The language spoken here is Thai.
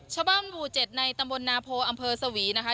ชาวบ้านบูเจ็ดในตำบลนาโพอัมเภอสวีนะคะ